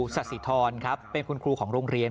สัสธิทรเป็นคุณครูของโรงเรียน